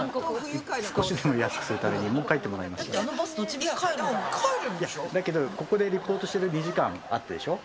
少しでも安くするために、もう帰だけどここでリポートしてる２時間あったでしょう。